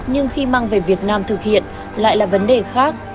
nhưng khi mang về việt nam thực hiện lại là vấn đề khác